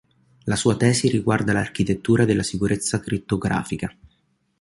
La sua tesi riguarda l'architettura della sicurezza crittografica.